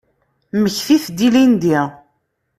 Mmektit-d ilindi.